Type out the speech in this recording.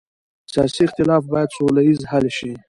سیاسي اختلاف باید سوله ییز حل شي